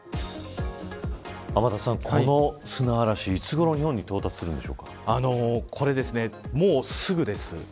天達さん、この砂嵐はいつごろ日本にもうすぐです。